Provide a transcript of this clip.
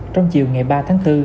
trong chiều ngày ba tháng bốn